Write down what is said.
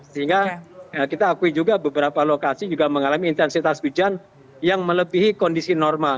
sehingga kita akui juga beberapa lokasi juga mengalami intensitas hujan yang melebihi kondisi normal